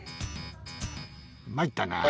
まいったな。